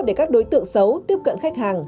để các đối tượng xấu tiếp cận khách hàng